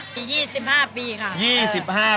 ปี๒๕ปีค่ะ